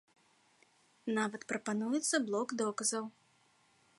Нават прапануецца блок доказаў.